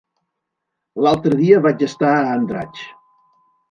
L'altre dia vaig estar a Andratx.